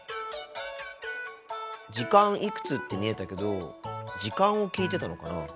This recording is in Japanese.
「時間いくつ」って見えたけど時間を聞いてたのかな？